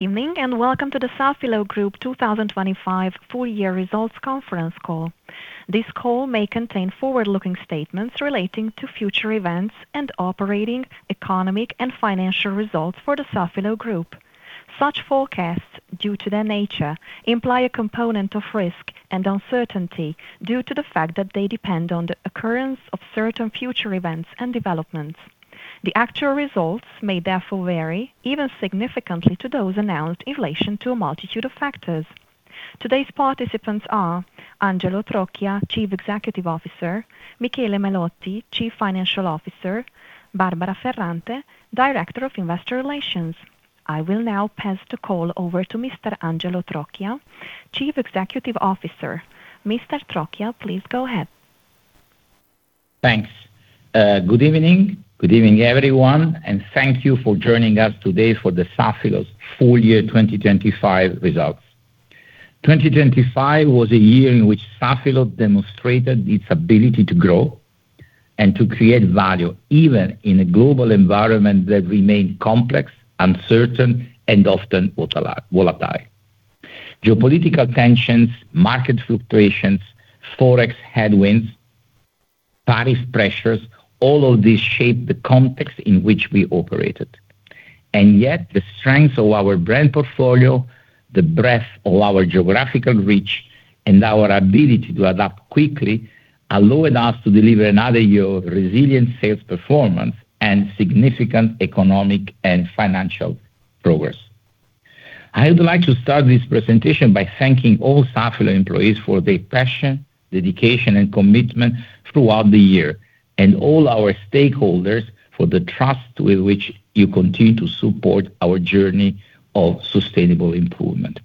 Good evening, and welcome to the Safilo Group 2025 full year results conference call. This call may contain forward-looking statements relating to future events and operating economic and financial results for the Safilo Group. Such forecasts, due to their nature, imply a component of risk and uncertainty due to the fact that they depend on the occurrence of certain future events and developments. The actual results may therefore vary, even significantly to those announced in relation to a multitude of factors. Today's participants are Angelo Trocchia, Chief Executive Officer, Michele Melotti, Chief Financial Officer, Barbara Ferrante, Director of Investor Relations. I will now pass the call over to Mr. Angelo Trocchia, Chief Executive Officer. Mr. Trocchia, please go ahead. Thanks. Good evening. Good evening, everyone, and thank you for joining us today for the Safilo's full year 2025 results. 2025 was a year in which Safilo demonstrated its ability to grow and to create value, even in a global environment that remained complex, uncertain, and often volatile. Geopolitical tensions, market fluctuations, forex headwinds, tariff pressures, all of this shaped the context in which we operated. Yet the strength of our brand portfolio, the breadth of our geographical reach, and our ability to adapt quickly allowed us to deliver another year of resilient sales performance and significant economic and financial progress. I would like to start this presentation by thanking all Safilo employees for their passion, dedication and commitment throughout the year, and all our stakeholders for the trust with which you continue to support our journey of sustainable improvement.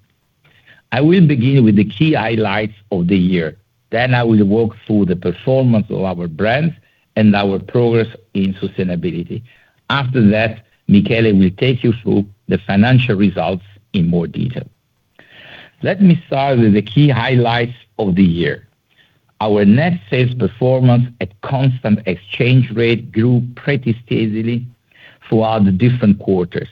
I will begin with the key highlights of the year. I will walk through the performance of our brands and our progress in sustainability. After that, Michele will take you through the financial results in more detail. Let me start with the key highlights of the year. Our net sales performance at constant exchange rate grew pretty steadily throughout the different quarters,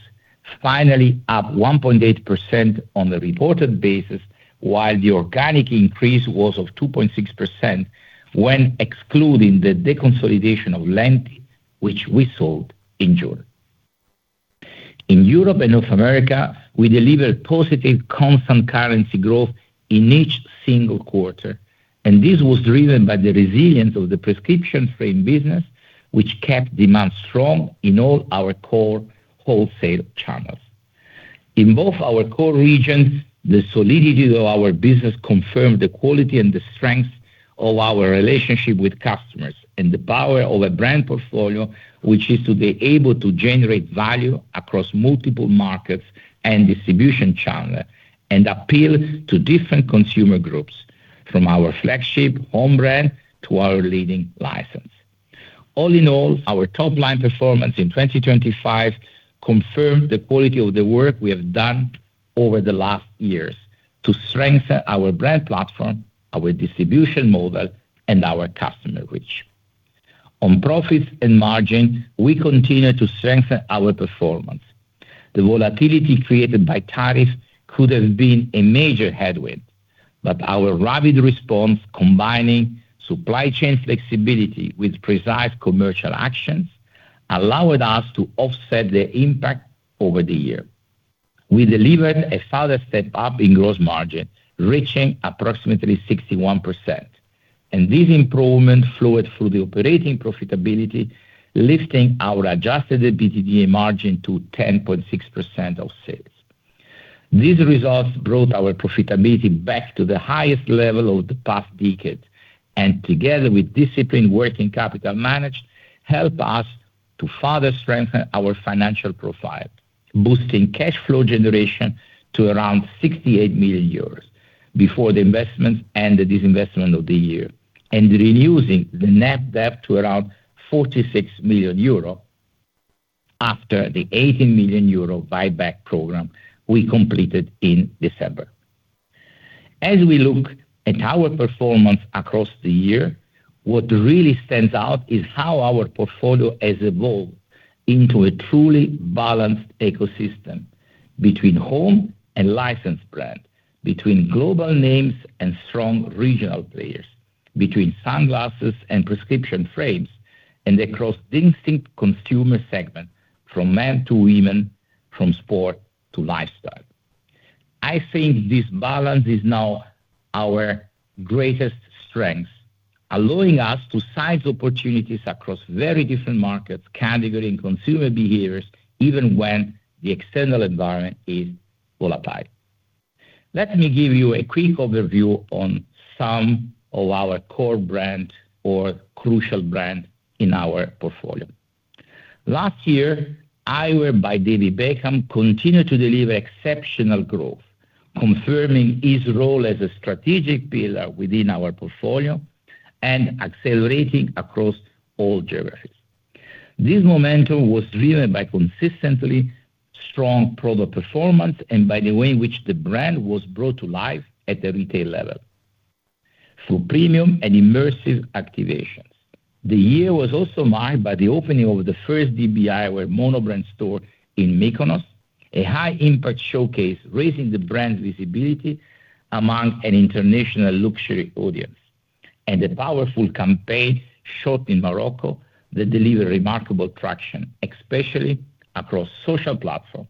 finally up 1.8% on the reported basis, while the organic increase was of 2.6% when excluding the deconsolidation of Lenti, which we sold in June. In Europe and North America, we delivered positive constant currency growth in each single quarter, and this was driven by the resilience of the prescription frame business, which kept demand strong in all our core wholesale channels. In both our core regions, the solidity of our business confirmed the quality and the strength of our relationship with customers and the power of a brand portfolio, which is to be able to generate value across multiple markets and distribution channels and appeal to different consumer groups from our flagship home brand to our leading license. All in all, our top line performance in 2025 confirmed the quality of the work we have done over the last years to strengthen our brand platform, our distribution model, and our customer reach. On profits and margin, we continue to strengthen our performance. The volatility created by tariffs could have been a major headwind, but our rapid response, combining supply chain flexibility with precise commercial actions, allowed us to offset the impact over the year. We delivered a further step up in gross margin, reaching approximately 61%, and this improvement flowed through the operating profitability, lifting our adjusted EBITDA margin to 10.6% of sales. These results brought our profitability back to the highest level of the past decade, and together with disciplined working capital management, help us to further strengthen our financial profile, boosting cash flow generation to around 68 million euros before the investments and the disinvestment of the year, and reducing the net debt to around 46 million euro after the 80 million euro buyback program we completed in December. As we look at our performance across the year, what really stands out is how our portfolio has evolved into a truly balanced ecosystem between own and licensed brands, between global names and strong regional players, between sunglasses and prescription frames, and across distinct consumer segments, from men to women, from sport to lifestyle. I think this balance is now our greatest strength, allowing us to seize opportunities across very different markets, categories and consumer behaviors, even when the external environment is volatile. Let me give you a quick overview on some of our core brands or crucial brands in our portfolio. Last year, Eyewear by David Beckham continued to deliver exceptional growth, confirming its role as a strategic pillar within our portfolio and accelerating across all geographies. This momentum was driven by consistently strong product performance and by the way in which the brand was brought to life at the retail level for premium and immersive activations. The year was also marked by the opening of the first DB store, our mono-brand store in Mykonos, a high-impact showcase raising the brand's visibility among an international luxury audience, and a powerful campaign shot in Morocco that delivered remarkable traction, especially across social platforms.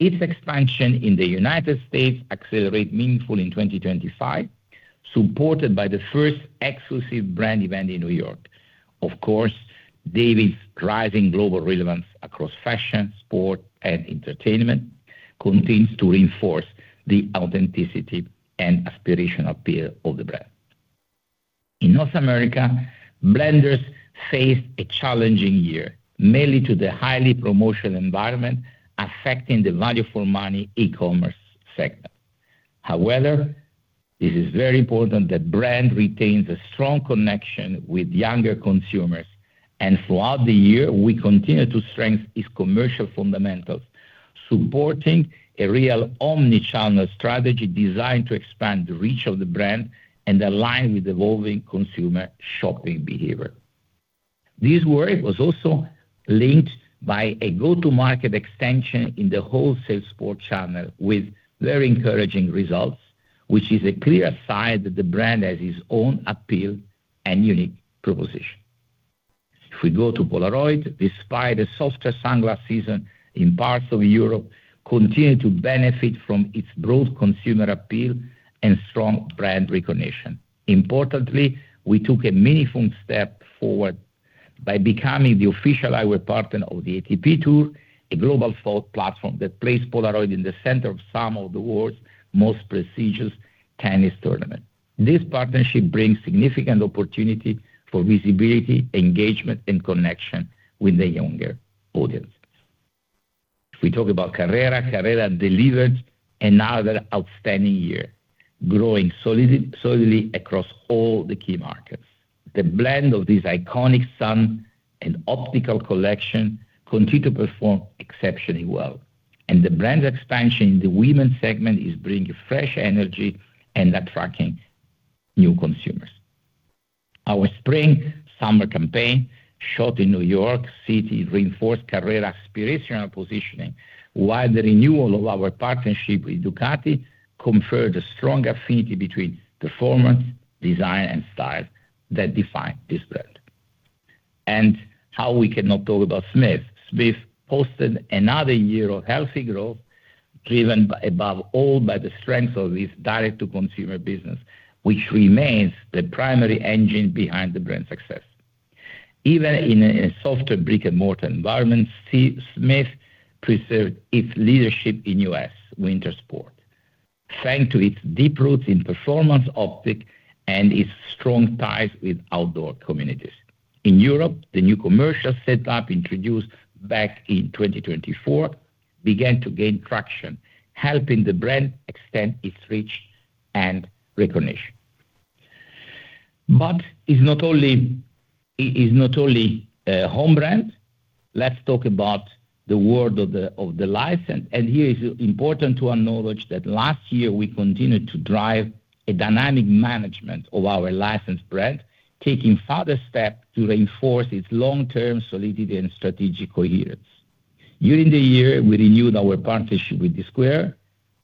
Its expansion in the United States will accelerate meaningfully in 2025, supported by the first exclusive brand event in New York. Of course, David's rising global relevance across fashion, sport, and entertainment continues to reinforce the authenticity and aspirational appeal of the brand. In North America, Blenders faced a challenging year, mainly due to the highly promotional environment affecting the value-for-money e-commerce sector. However, it is very important that brand retains a strong connection with younger consumers, and throughout the year, we continue to strengthen its commercial fundamentals, supporting a real omni-channel strategy designed to expand the reach of the brand and align with evolving consumer shopping behavior. This work was also linked by a go-to-market extension in the wholesale sport channel with very encouraging results, which is a clear sign that the brand has its own appeal and unique proposition. If we go to Polaroid, despite a softer sunglasses season in parts of Europe, continue to benefit from its broad consumer appeal and strong brand recognition. Importantly, we took a meaningful step forward by becoming the official eyewear partner of the ATP Tour, a global sport platform that placed Polaroid in the center of some of the world's most prestigious tennis tournament. This partnership brings significant opportunity for visibility, engagement, and connection with the younger audiences. If we talk about Carrera delivered another outstanding year, growing solidly across all the key markets. The blend of this iconic sun and optical collection continue to perform exceptionally well, and the brand expansion in the women's segment is bringing fresh energy and attracting new consumers. Our spring/summer campaign, shot in New York City, reinforced Carrera aspirational positioning, while the renewal of our partnership with Ducati conferred a strong affinity between performance, design, and style that define this brand. How we cannot talk about Smith. Smith posted another year of healthy growth, driven above all by the strength of its direct to consumer business, which remains the primary engine behind the brand success. Even in a softer brick-and-mortar environment, Smith preserved its leadership in U.S. winter sport, thanks to its deep roots in performance optic and its strong ties with outdoor communities. In Europe, the new commercial set up introduced back in 2024 began to gain traction, helping the brand extend its reach and recognition. It's not only home brand. Let's talk about the world of the license, and here it's important to acknowledge that last year we continued to drive a dynamic management of our licensed brand, taking further step to reinforce its long-term solidity and strategic coherence. During the year, we renewed our partnership with Dsquared2,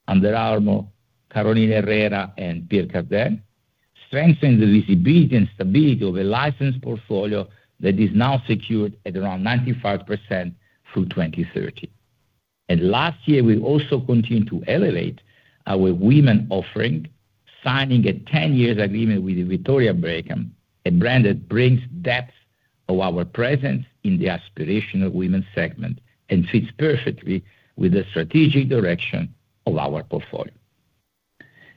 Under Armour, Carolina Herrera, and Pierre Cardin, strengthening the visibility and stability of a licensed portfolio that is now secured at around 95% through 2030. Last year, we also continued to elevate our women offering, signing a ten-year agreement with Victoria Beckham, a brand that brings depth of our presence in the aspirational women segment and fits perfectly with the strategic direction of our portfolio.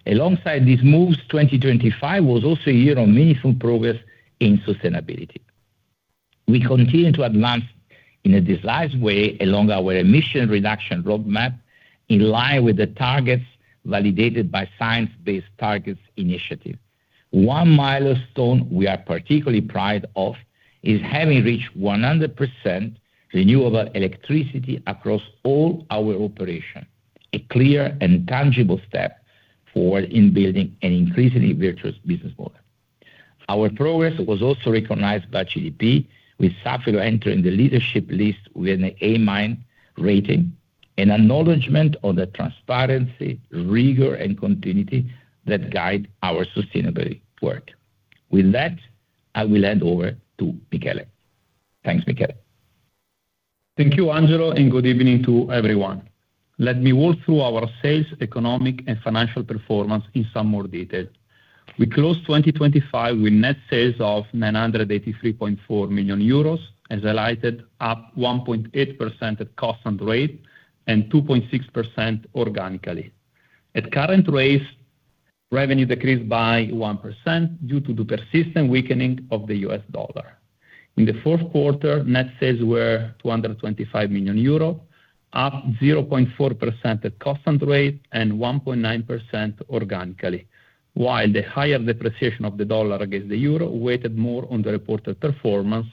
Alongside these moves, 2025 was also a year of meaningful progress in sustainability. We continue to advance in a decisive way along our emission reduction roadmap in line with the targets validated by Science Based Targets initiative. One milestone we are particularly proud of is having reached 100% renewable electricity across all our operation, a clear and tangible step forward in building an increasingly virtuous business model. Our progress was also recognized by CDP. We scored entering the leadership list with an A- rating and acknowledgement of the transparency, rigor, and continuity that guide our sustainability work. With that, I will hand over to Michele. Thanks, Michele. Thank you, Angelo, and good evening to everyone. Let me walk through our sales, economic, and financial performance in some more detail. We closed 2025 with net sales of 983.4 million euros, as highlighted, up 1.8% at constant rate and 2.6% organically. At current rates, revenue decreased by 1% due to the persistent weakening of the U.S. dollar. In the fourth quarter, net sales were 225 million euro, up 0.4% at constant rate and 1.9% organically, while the higher depreciation of the dollar against the euro weighed more on the reported performance,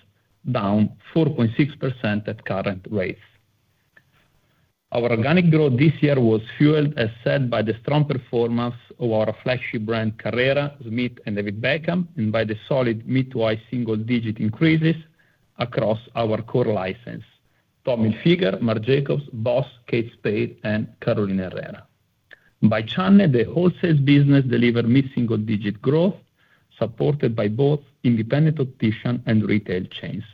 down 4.6% at current rates. Our organic growth this year was fueled, as said, by the strong performance of our flagship brand Carrera, Smith and David Beckham, and by the solid mid-to-high single-digit increases across our core license, Tommy Hilfiger, Marc Jacobs, Boss, Kate Spade, and Carolina Herrera. By channel, the wholesale business delivered mid-single-digit growth, supported by both independent optician and retail chains.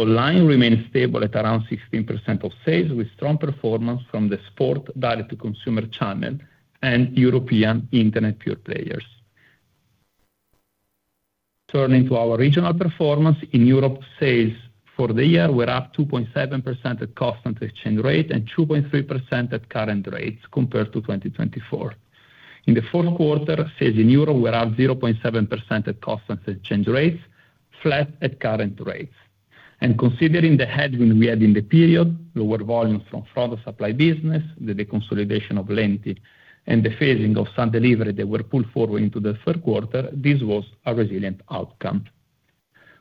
Online remains stable at around 16% of sales, with strong performance from the sport direct-to-consumer channel and European Internet pure players. Turning to our regional performance, in Europe, sales for the year were up 2.7% at constant exchange rate and 2.3% at current rates compared to 2024. In the fourth quarter, sales in Europe were up 0.7% at constant exchange rates, flat at current rates. Considering the headwind we had in the period, lower volumes from further supply business, the deconsolidation of Lenti, and the phasing of some delivery that were pulled forward into the third quarter, this was a resilient outcome.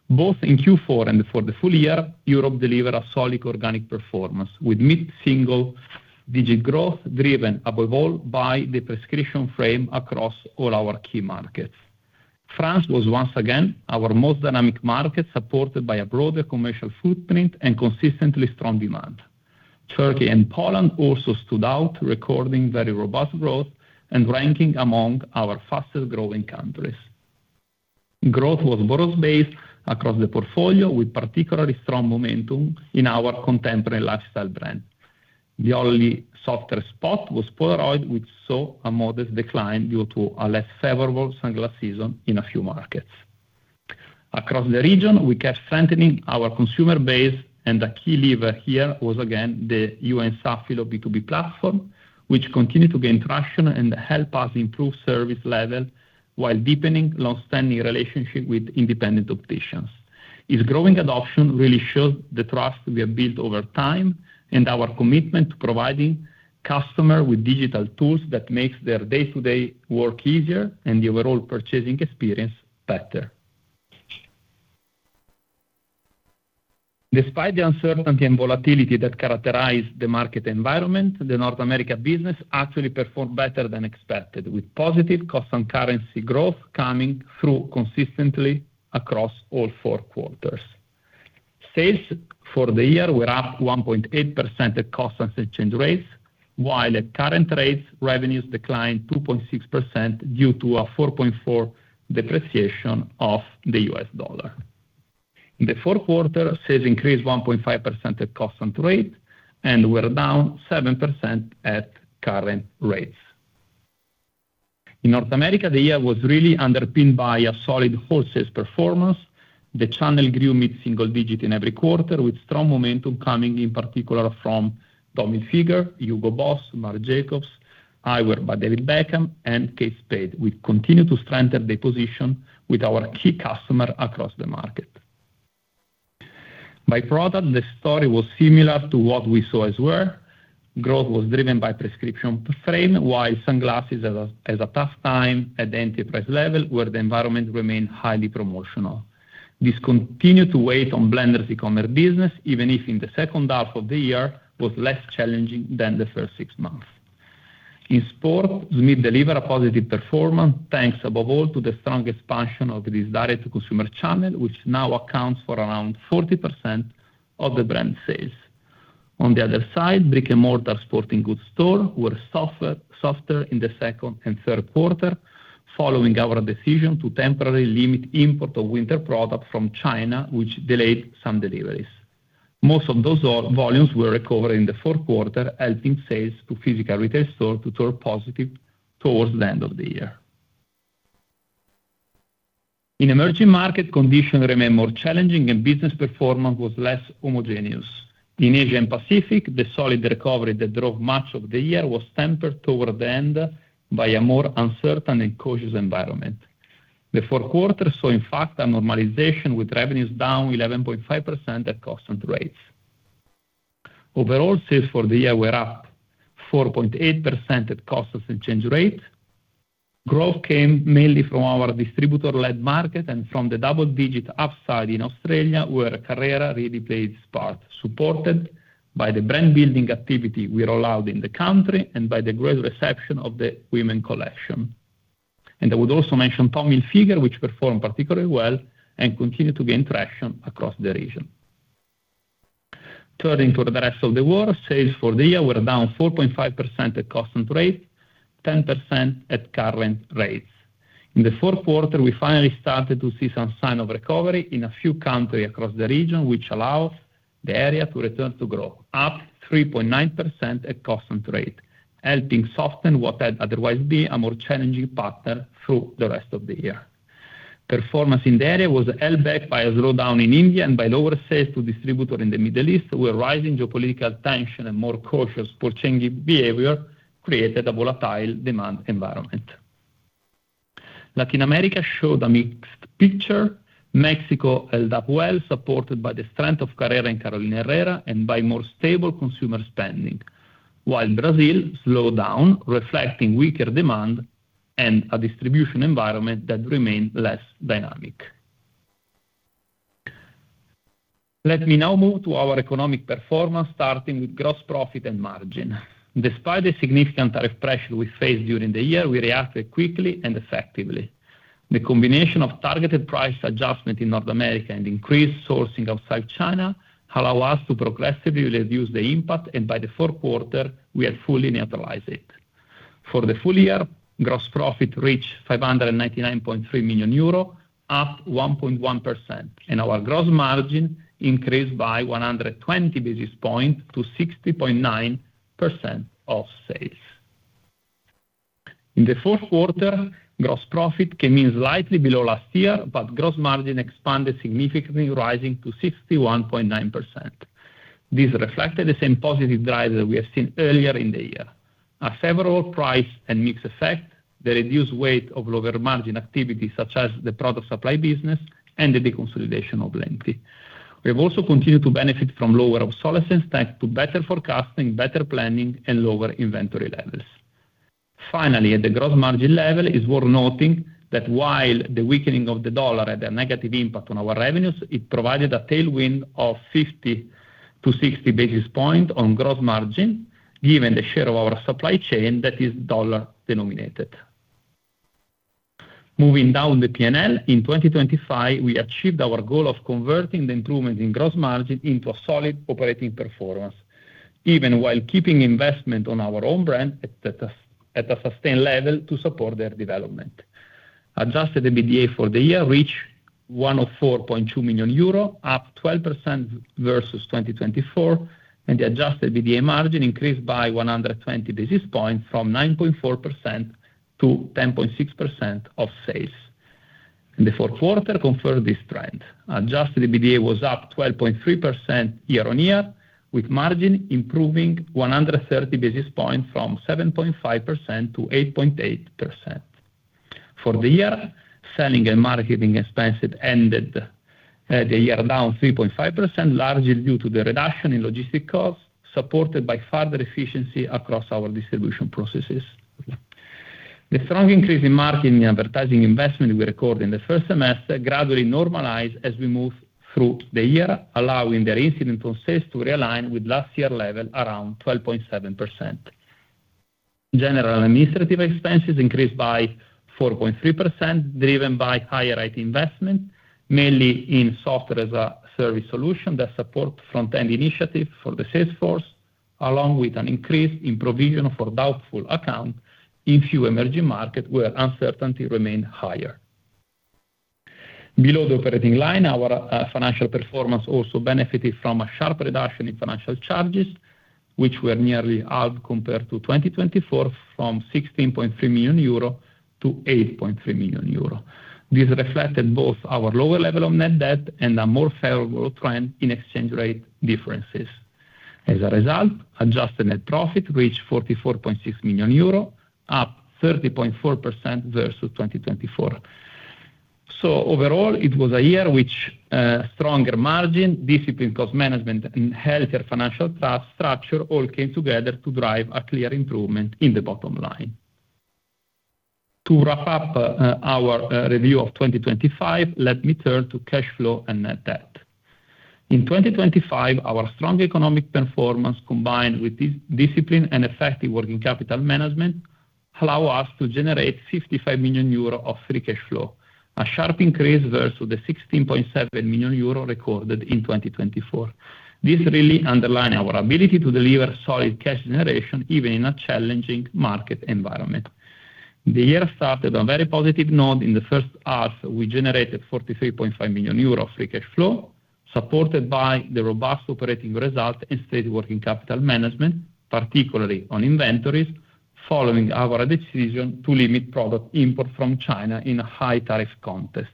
Both in Q4 and for the full year, Europe delivered a solid organic performance with mid-single digit growth driven above all by the prescription frame across all our key markets. France was once again our most dynamic market, supported by a broader commercial footprint and consistently strong demand. Turkey and Poland also stood out, recording very robust growth and ranking among our fastest-growing countries. Growth was broad-based across the portfolio, with particularly strong momentum in our contemporary lifestyle brand. The only softer spot was Polaroid, which saw a modest decline due to a less favorable sunglasses season in a few markets. Across the region, we kept strengthening our consumer base, and the key lever here was again the You&Safilo B2B platform, which continued to gain traction and help us improve service level while deepening long-standing relationship with independent opticians. Its growing adoption really shows the trust we have built over time and our commitment to providing customer with digital tools that makes their day-to-day work easier and the overall purchasing experience better. Despite the uncertainty and volatility that characterized the market environment, the North America business actually performed better than expected, with positive constant currency growth coming through consistently across all four quarters. Sales for the year were up 1.8% at constant exchange rates, while at current rates, revenues declined 2.6% due to a 4.4% depreciation of the U.S. dollar. In the fourth quarter, sales increased 1.5% at constant rates and were down 7% at current rates. In North America, the year was really underpinned by a solid wholesale performance. The channel grew mid-single digit in every quarter, with strong momentum coming in particular from Tommy Hilfiger, Hugo Boss, Marc Jacobs, Eyewear by David Beckham, and Kate Spade. We continue to strengthen the position with our key customer across the market. By product, the story was similar to what we saw as well. Growth was driven by prescription frame, while sunglasses has a tough time at the enterprise level, where the environment remained highly promotional. This continued to weigh on Blenders e-commerce business, even if in the second half of the year was less challenging than the first six months. In sport, Smith delivered a positive performance, thanks above all to the strong expansion of this direct-to-consumer channel, which now accounts for around 40% of the brand sales. On the other side, brick-and-mortar sporting goods store were softer in the second and third quarter, following our decision to temporarily limit import of winter product from China, which delayed some deliveries. Most of those volumes were recovered in the fourth quarter, helping sales to physical retail store to turn positive towards the end of the year. In emerging markets, conditions remained more challenging and business performance was less homogeneous. In Asia and Pacific, the solid recovery that drove much of the year was tempered toward the end by a more uncertain and cautious environment. The fourth quarter saw, in fact, a normalization with revenues down 11.5% at constant rates. Overall sales for the year were up 4.8% at constant exchange rate. Growth came mainly from our distributor-led market and from the double-digit upside in Australia, where Carrera really played its part, supported by the brand building activity we allowed in the country and by the great reception of the women collection. I would also mention Tommy Hilfiger, which performed particularly well and continued to gain traction across the region. Turning to the rest of the world, sales for the year were down 4.5% at constant rate, 10% at current rates. In the fourth quarter, we finally started to see some sign of recovery in a few countries across the region, which allows the area to return to growth, up 3.9% at constant rate, helping soften what had otherwise been a more challenging pattern through the rest of the year. Performance in the area was held back by a slowdown in India and by lower sales to distributors in the Middle East, where rising geopolitical tension and more cautious purchasing behavior created a volatile demand environment. Latin America showed a mixed picture. Mexico held up well, supported by the strength of Carrera and Carolina Herrera and by more stable consumer spending, while Brazil slowed down, reflecting weaker demand and a distribution environment that remained less dynamic. Let me now move to our economic performance starting with gross profit and margin. Despite the significant tariff pressure we faced during the year, we reacted quickly and effectively. The combination of targeted price adjustment in North America and increased sourcing outside China allow us to progressively reduce the impact, and by the fourth quarter, we had fully neutralized it. For the full year, gross profit reached 599.3 million euro, up 1.1%, and our gross margin increased by 120 basis points to 60.9% of sales. In the fourth quarter, gross profit came in slightly below last year, but gross margin expanded significantly, rising to 61.9%. This reflected the same positive drivers that we have seen earlier in the year, a favorable price and mix effect, the reduced weight of lower margin activities such as the product supply business and the deconsolidation of Lenti. We have also continued to benefit from lower obsolescence, thanks to better forecasting, better planning and lower inventory levels. Finally, at the gross margin level, it's worth noting that while the weakening of the dollar had a negative impact on our revenues, it provided a tailwind of 50-60 basis points on gross margin, given the share of our supply chain that is dollar denominated. Moving down the P&L, in 2025, we achieved our goal of converting the improvement in gross margin into a solid operating performance, even while keeping investment on our own brand at a sustained level to support their development. Adjusted EBITDA for the year reached 104.2 million euro, up 12% versus 2024, and the adjusted EBITDA margin increased by 120 basis points from 9.4% to 10.6% of sales. In the fourth quarter, confirmed this trend. Adjusted EBITDA was up 12.3% year-on-year, with margin improving 130 basis points from 7.5% to 8.8%. For the year, selling and marketing expenses ended the year down 3.5%, largely due to the reduction in logistic costs, supported by further efficiency across our distribution processes. The strong increase in marketing and advertising investment we recorded in the first semester gradually normalized as we moved through the year, allowing the recent process to realign with last year level around 12.7%. General and administrative expenses increased by 4.3%, driven by higher IT investment, mainly in software as a service solution that support front end initiative for the sales force, along with an increase in provision for doubtful accounts in few emerging markets where uncertainty remained higher. Below the operating line, our financial performance also benefited from a sharp reduction in financial charges, which were nearly half compared to 2024 from 16.3 million euro to 8.3 million euro. This reflected both our lower level of net debt and a more favorable trend in exchange rate differences. As a result, adjusted net profit reached 44.6 million euro, up 30.4% versus 2024. Overall, it was a year which stronger margin, disciplined cost management and healthier financial debt structure all came together to drive a clear improvement in the bottom line. To wrap up our review of 2025, let me turn to cash flow and net debt. In 2025, our strong economic performance, combined with discipline and effective working capital management, allow us to generate 55 million euro of free cash flow, a sharp increase versus the 16.7 million euro recorded in 2024. This really underline our ability to deliver solid cash generation, even in a challenging market environment. The year started on a very positive note. In the first half, we generated 43.5 million euro of free cash flow, supported by the robust operating result and steady working capital management, particularly on inventories, following our decision to limit product import from China in a high tariff context.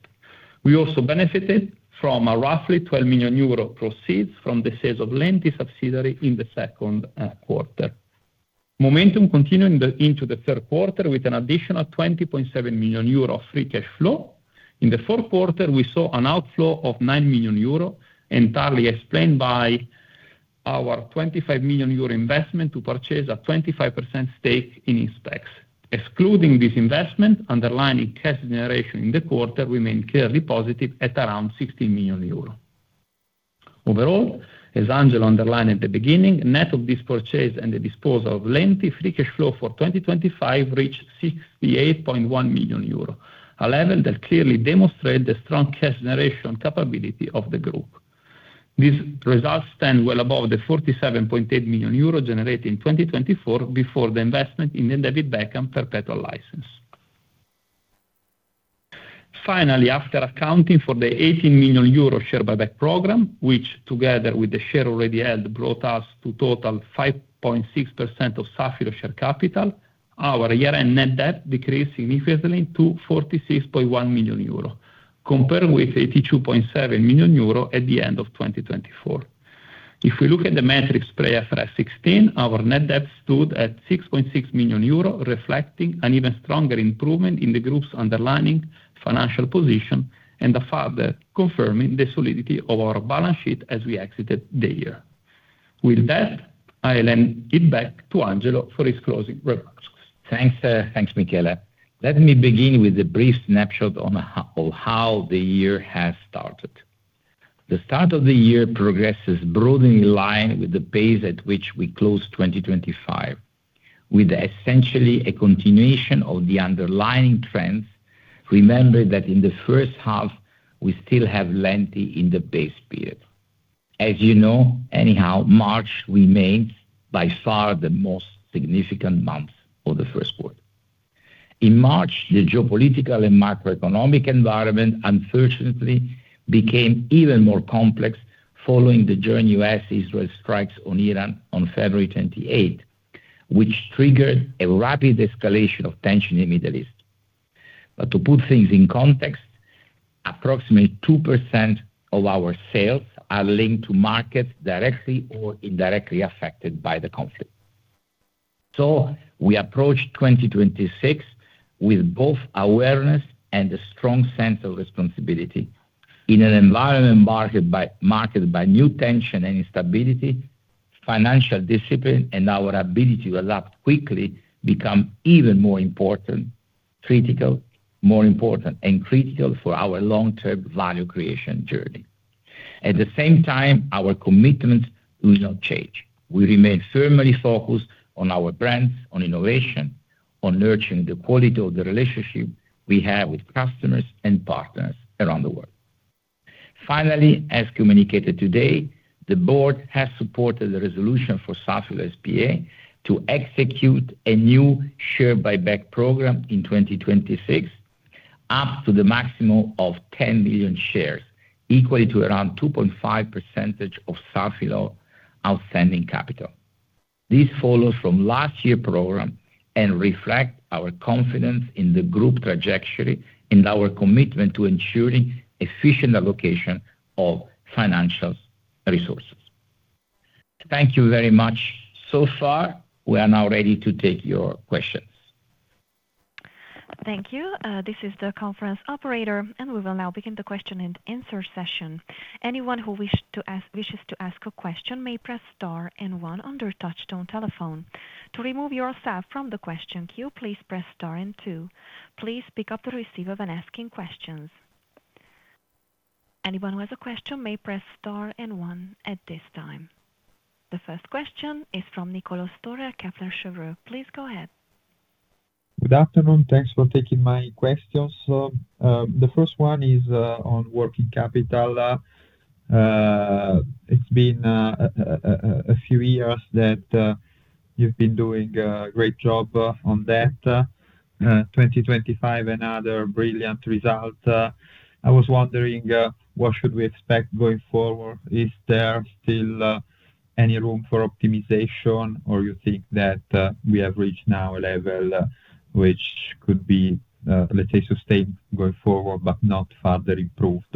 We also benefited from a roughly 12 million euro proceeds from the sales of Lenti subsidiary in the second quarter. Momentum continued into the third quarter with an additional 20.7 million euro of free cash flow. In the fourth quarter, we saw an outflow of 9 million euro, entirely explained by our 25 million euro investment to purchase a 25% stake in Inspecs. Excluding this investment, underlying cash generation in the quarter remained clearly positive at around 60 million euro. Overall, as Angelo underlined at the beginning, net of this purchase and the disposal of Lenti, free cash flow for 2025 reached 68.1 million euro, a level that clearly demonstrate the strong cash generation capability of the group. These results stand well above the 47.8 million euro generated in 2024 before the investment in the David Beckham perpetual license. Finally, after accounting for the 18 million euro share buyback program, which together with the share already held, brought us to total 5.6% of Safilo share capital, our year-end net debt decreased significantly to 46.1 million euro, compared with 82.7 million euro at the end of 2024. If we look at the metrics pre IFRS 16, our net debt stood at 6.6 million euro, reflecting an even stronger improvement in the group's underlying financial position and further confirming the solidity of our balance sheet as we exited the year. With that, I will hand it back to Angelo for his closing remarks. Thanks, thanks, Michele. Let me begin with a brief snapshot on how the year has started. The start of the year progresses broadly in line with the pace at which we closed 2025, with essentially a continuation of the underlying trends. Remember that in the first half, we still have Lenti in the base period. As you know, anyhow, March remained by far the most significant month for the first quarter. In March, the geopolitical and macroeconomic environment unfortunately became even more complex following the joint U.S.-Israel strikes on Iran on February 28th, which triggered a rapid escalation of tension in Middle East. To put things in context, approximately 2% of our sales are linked to markets directly or indirectly affected by the conflict. We approach 2026 with both awareness and a strong sense of responsibility. In an environment marked by new tensions and instability, financial discipline and our ability to adapt quickly become even more important and critical for our long-term value creation journey. At the same time, our commitments do not change. We remain firmly focused on our brands, on innovation, on nurturing the quality of the relationship we have with customers and partners around the world. Finally, as communicated today, the board has supported the resolution for Safilo Group S.p.A. to execute a new share buyback program in 2026, up to the maximum of 10 million shares, equivalent to around 2.5% of Safilo outstanding capital. This follows from last year's program and reflects our confidence in the group trajectory and our commitment to ensuring efficient allocation of financial resources. Thank you very much so far. We are now ready to take your questions. Thank you. This is the conference operator, and we will now begin the question and answer session. Anyone who wishes to ask a question may press star and one on their touchtone telephone. To remove yourself from the question queue, please press star and two. Please pick up the receiver when asking questions. Anyone who has a question may press star and one at this time. The first question is from Niccolò Storer, Kepler Cheuvreux. Please go ahead. Good afternoon. Thanks for taking my questions. The first one is on working capital. It's been a few years that you've been doing a great job on that. 2025, another brilliant result. I was wondering what should we expect going forward? Is there still any room for optimization, or you think that we have reached now a level which could be, let's say, sustained going forward, but not further improved?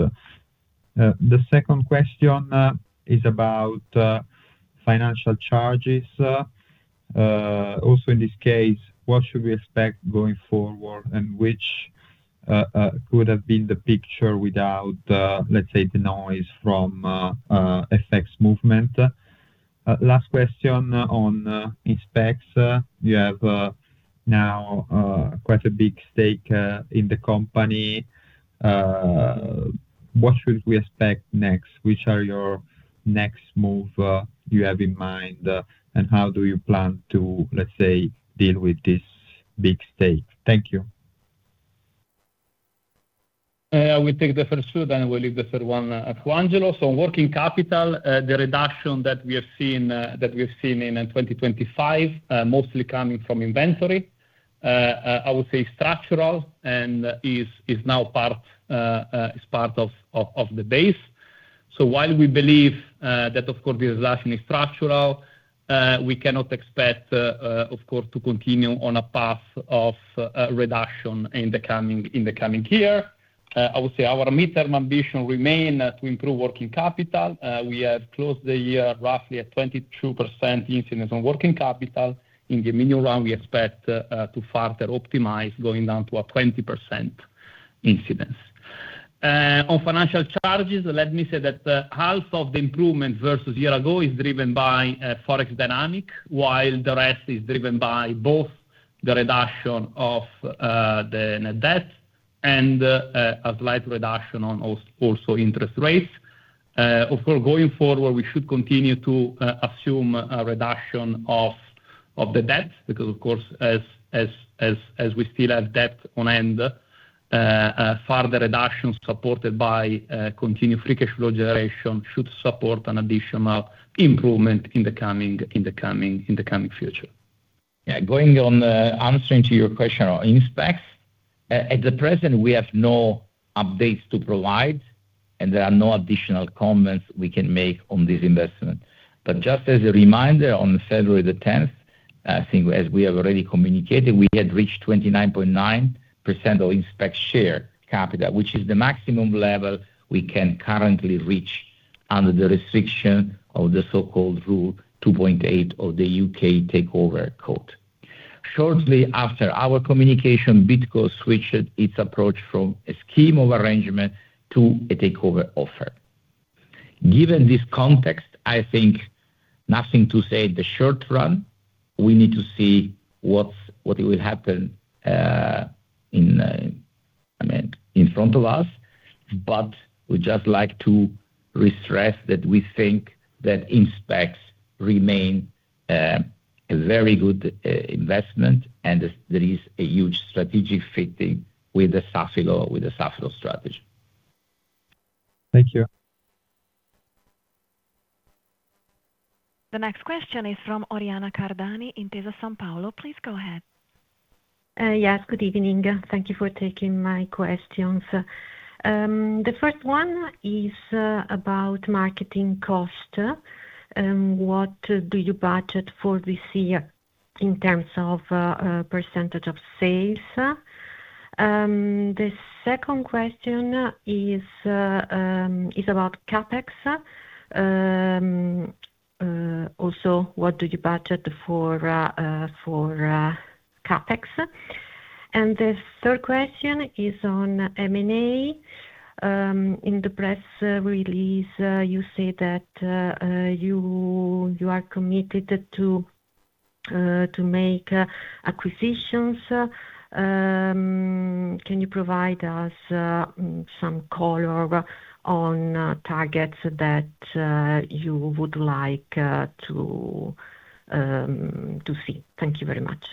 The second question is about financial charges. Also in this case, what should we expect going forward, and which could have been the picture without, let's say, the noise from FX movements? Last question on Inspecs. You have now quite a big stake in the company. What should we expect next? Which are your next move, you have in mind, and how do you plan to, let's say, deal with this big stake? Thank you. We take the first two, then we leave the third one to Angelo. Working capital, the reduction that we've seen in 2025, mostly coming from inventory, I would say structural and is now part of the base. While we believe that of course this is largely structural, we cannot expect of course to continue on a path of reduction in the coming year. I would say our midterm ambition remain to improve working capital. We have closed the year roughly at 22% incidence on working capital. In the meanwhile, we expect to further optimize going down to a 20% incidence. On financial charges, let me say that half of the improvement versus year ago is driven by forex dynamic, while the rest is driven by both the reduction of the net debt and a slight reduction on interest rates. Of course, going forward, we should continue to assume a reduction of the debt because, of course, as we still have debt on hand, further reductions supported by continued free cash flow generation should support an additional improvement in the coming future. Going on, answering to your question on Inspecs. At the present, we have no updates to provide, and there are no additional comments we can make on this investment. Just as a reminder, on February the tenth, I think as we have already communicated, we had reached 29.9% of Inspecs share capital, which is the maximum level we can currently reach under the restriction of the so-called Rule 2.8 of the U.K. Takeover Code. Shortly after our communication, Bidco switched its approach from a scheme of arrangement to a takeover offer. Given this context, I think nothing to say in the short run. We need to see what will happen, I mean, in front of us. We just like to restress that we think that Inspecs remain a very good investment, and there is a huge strategic fit with the Safilo strategy. Thank you. The next question is from Oriana Cardani, Intesa Sanpaolo. Please go ahead. Yes, good evening. Thank you for taking my questions. The first one is about marketing cost. What do you budget for this year in terms of a percentage of sales? The second question is about CapEx. Also, what do you budget for CapEx? The third question is on M&A. In the press release, you say that you are committed to make acquisitions. Can you provide us some color on targets that you would like to see? Thank you very much.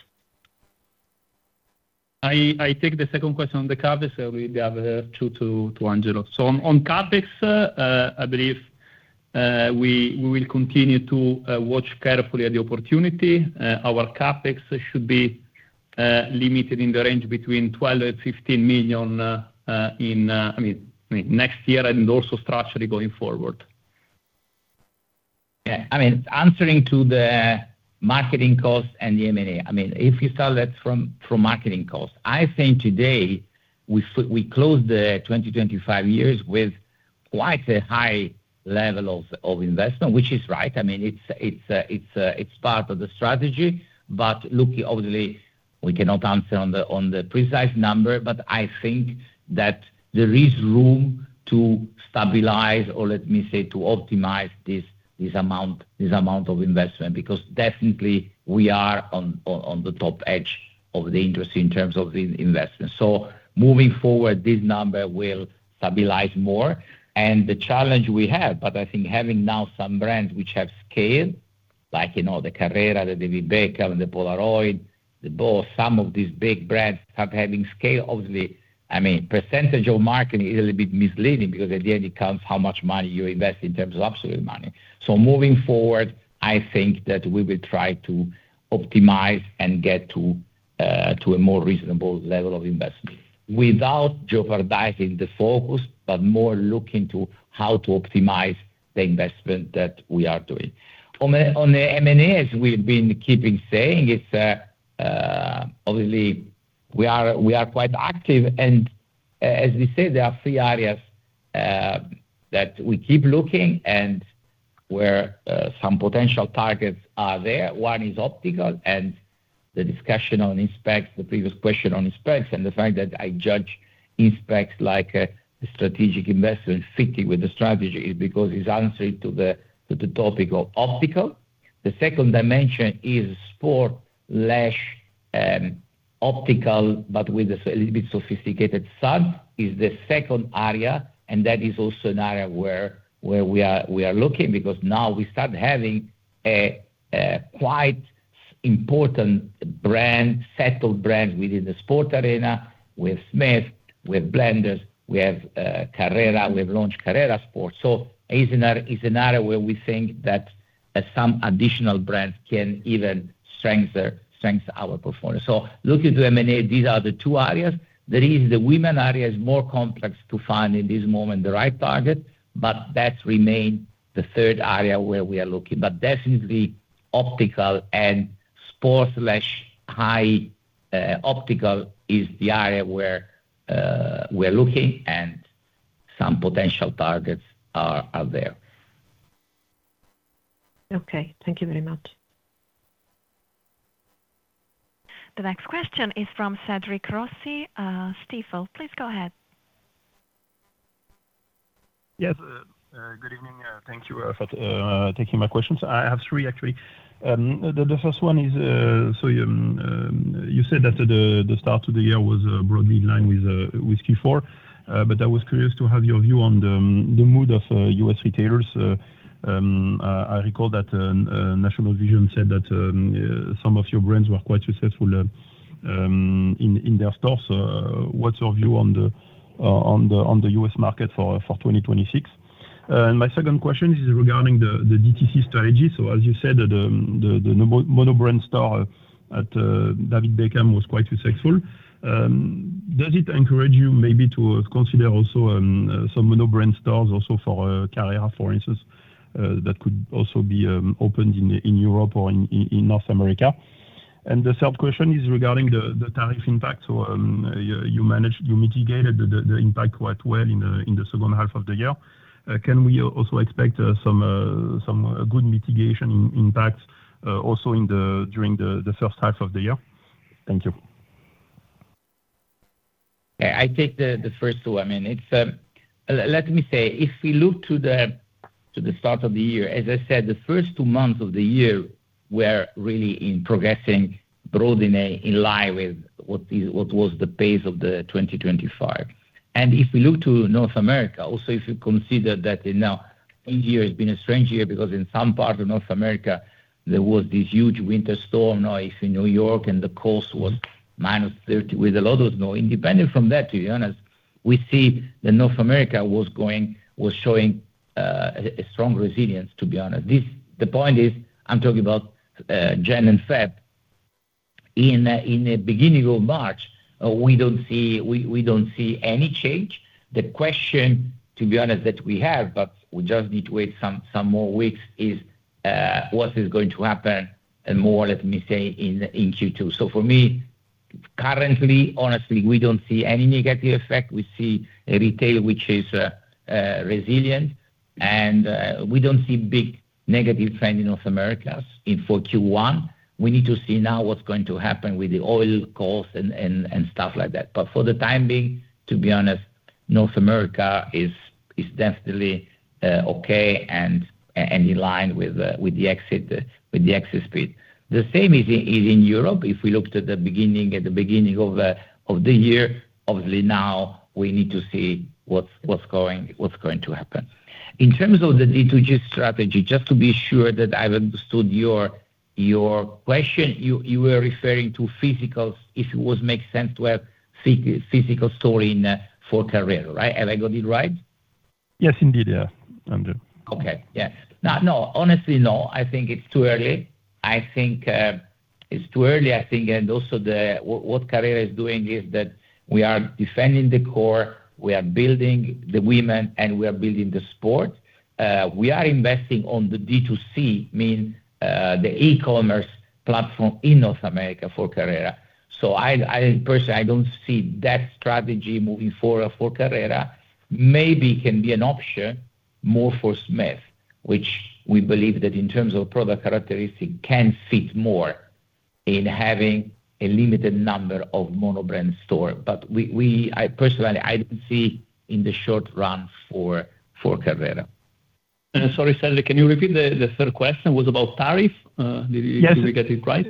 I take the second question on the CapEx, leave the other two to Angelo. On CapEx, I believe we will continue to watch carefully at the opportunity. Our CapEx should be limited in the range between 12 million and 15 million, I mean, next year and also structurally going forward. Yeah. I mean, answering to the marketing cost and the M&A, I mean, if you start that from marketing costs, I think today we closed the 2025 years with quite a high level of investment, which is right. I mean, it's part of the strategy. Look, obviously, we cannot answer on the precise number, but I think that there is room to stabilize or let me say to optimize this amount of investment, because definitely we are on the top edge of the industry in terms of investment. Moving forward, this number will stabilize more. The challenge we have, but I think having now some brands which have scale, like, you know, the Carrera, the David Beckham, the Polaroid, the BOSS, some of these big brands start having scale. Obviously, I mean, percentage of marketing is a little bit misleading because at the end it comes how much money you invest in terms of absolute money. Moving forward, I think that we will try to optimize and get to a more reasonable level of investment without jeopardizing the focus, but more looking to how to optimize the investment that we are doing. On the M&As, we've been keeping saying, it's obviously we are quite active. As we said, there are three areas that we keep looking and where some potential targets are there. One is optical, and the discussion on Inspecs, the previous question on Inspecs, and the fact that I judge Inspecs like a strategic investment fitting with the strategy is because it's answering to the topic of optical. The second dimension is sport/optical, but with a little bit sophisticated one is the second area, and that is also an area where we are looking because now we start having a quite important brand, solid brand within the sport arena. We have Smith, we have Blenders, we have Carrera, we've launched Carrera Sport. So is an area where we think that some additional brands can even strengthen our performance. Looking to M&A, these are the two areas. The reason the women area is more complex to find in this moment the right target, but that remain the third area where we are looking. Definitely optical and sport, high optical is the area where we are looking and some potential targets are there. Okay. Thank you very much. The next question is from Cédric Rossi, Stifel. Please go ahead. Yes. Good evening. Thank you for taking my questions. I have three, actually. The first one is so you said that the start to the year was broadly in line with Q4. But I was curious to have your view on the mood of U.S. retailers. I recall that National Vision said that some of your brands were quite successful in their stores. What's your view on the U.S. market for 2026? My second question is regarding the DTC strategy. As you said, the mono-brand store at David Beckham was quite successful. Does it encourage you maybe to consider also some mono-brand stores also for Carrera, for instance, that could also be opened in Europe or in North America? The third question is regarding the tariff impact. You managed to mitigate the impact quite well in the second half of the year. Can we also expect some good mitigation impact also during the first half of the year? Thank you. I take the first two. I mean, it's. Let me say, if we look to the start of the year, as I said, the first two months of the year were really progressing broadly in line with what was the pace of 2025. If we look to North America, also, if you consider that now this year has been a strange year because in some parts of North America there was this huge winter storm, no ice in New York and the coast was -30 degrees Fahrenheit with a lot of snow. Independent from that, to be honest, we see that North America was showing a strong resilience, to be honest. The point is, I'm talking about Jan and Feb. In the beginning of March, we don't see any change. The question, to be honest, that we have, but we just need to wait some more weeks, is what is going to happen and more, let me say, in Q2. For me, currently, honestly, we don't see any negative effect. We see retail which is resilient, and we don't see big negative trend in North America for Q1. We need to see now what's going to happen with the oil costs and stuff like that. For the time being, to be honest, North America is definitely okay and in line with the exit speed. The same is in Europe. If we looked at the beginning of the year, obviously now we need to see what's going to happen. In terms of the DTC strategy, just to be sure that I've understood your question, you were referring to physical stores if it would make sense to have physical stores for Carrera, right? Have I got it right? Yes, indeed. Yeah. Understood. Okay. Yeah. No. Honestly, no. I think it's too early, I think. Also, what Carrera is doing is that we are defending the core, we are building the women, and we are building the sport. We are investing on the D2C, the e-commerce platform in North America for Carrera. I personally don't see that strategy moving forward for Carrera. Maybe can be an option more for Smith, which we believe that in terms of product characteristic can fit more in having a limited number of mono-brand store. But I personally don't see in the short run for Carrera. Sorry, Cedric, can you repeat the third question? Was about tariff? Did we- Yes. Did we get it right?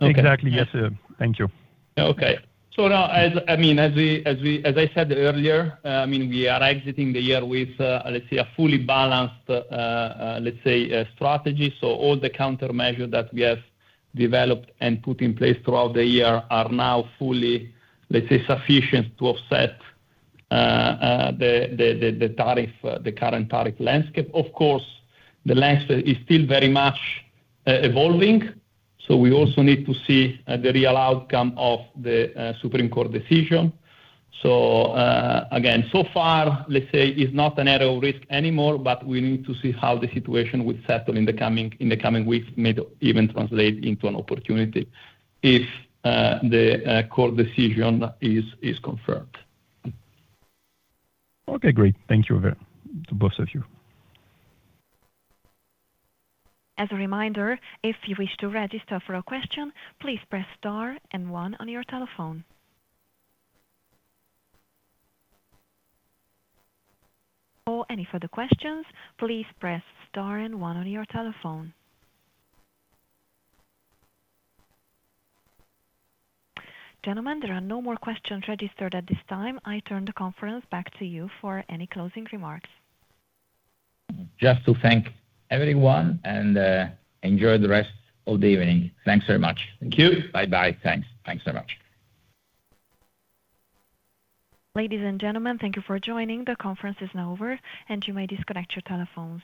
Exactly. Yes, sir. Thank you. Now, I mean, as I said earlier, I mean, we are exiting the year with, let's say, a fully balanced, let's say, a strategy. All the countermeasures that we have developed and put in place throughout the year are now fully, let's say, sufficient to offset the current tariff landscape. Of course, the landscape is still very much evolving, so we also need to see the real outcome of the Supreme Court decision. Again, so far, let's say it's not a major risk anymore, but we need to see how the situation will settle in the coming weeks. May even translate into an opportunity if the court decision is confirmed. Okay, great. Thank you to both of you. As a reminder, if you wish to register for a question, please press star and one on your telephone. For any further questions, please press star and one on your telephone. Gentlemen, there are no more questions registered at this time. I turn the conference back to you for any closing remarks. Just to thank everyone and enjoy the rest of the evening. Thanks very much. Thank you. Bye-bye. Thanks. Thanks very much. Ladies and gentlemen, thank you for joining. The conference is now over, and you may disconnect your telephones.